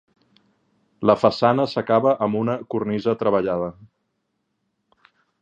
La façana s'acaba amb una cornisa treballada.